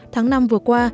tháng năm vừa qua